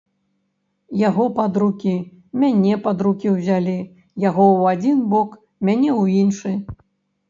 Яго пад рукі, мяне пад рукі ўзялі, яго ў адзін бок, мяне ў іншы.